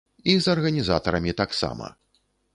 І з арганізатарамі таксама.